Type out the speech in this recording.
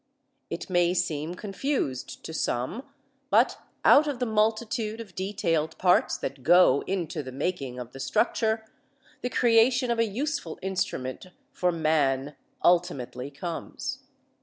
It may seem confused to some, but out of the multitude of detailed parts that go into the making of the structure the creation of a useful instrument for man ultimately comes.